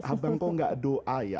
abang kau gak doa ya